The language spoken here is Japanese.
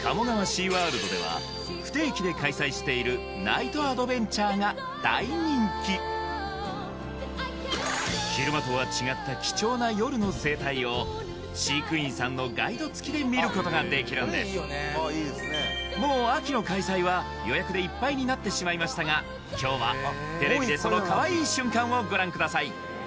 シーワールドでは不定期で開催している昼間とは違った貴重な夜の生態を飼育員さんのガイド付きで見ることができるんですもう秋の開催は予約でいっぱいになってしまいましたが今日はテレビでそのかわいい瞬間をご覧ください